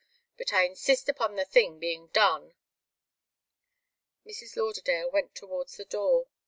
But I insist upon the thing being done." Mrs. Lauderdale went towards the door.